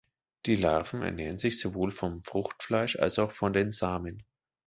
Die Larven ernähren sich sowohl vom Fruchtfleisch als auch von den Samen.